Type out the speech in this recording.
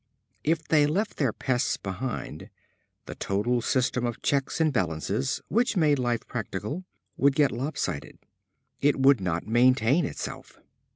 If they left their pests behind, the total system of checks and balances which make life practical would get lopsided. It would not maintain itself.